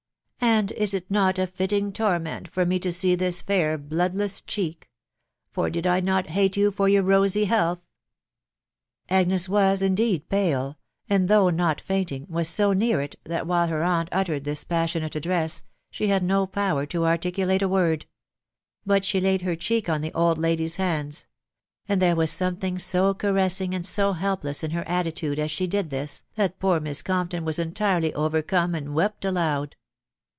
... And is it not a fitting tor ment for me to see this fair bloodless cheek ?.,.. for did I not hate you for your rosy health ?Agnes was indeed pale ; and though not fainting, was so near it, that while her aunt uttered this passionate address, she bad no power to articulate a word. But she laid her cheek on the old lady's hands ; and there was something so caressing and so helpless in her attitude as she did this, that poor Miss Compton was entirely overcome, and wept aloud.